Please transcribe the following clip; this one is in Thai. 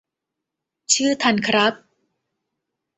ชื่อทันครับ